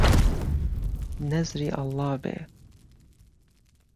نهزری ئهڵڵا بێ